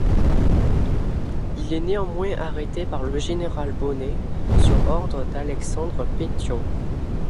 Il est néanmoins arrêté par le général Bonnet sur ordre d'Alexandre Pétion.